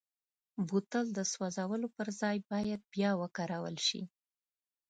بوتل د سوزولو پر ځای باید بیا وکارول شي.